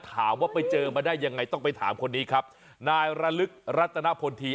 ถามว่าไปเจอมาได้ยังไงต้องไปถามคนนี้ครับนายระลึกรัตนพลที